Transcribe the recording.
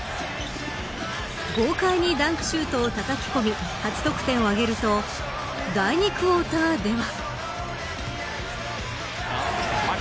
豪快にダンクシュートをたたき込み初得点を挙げると第２クオーターでは。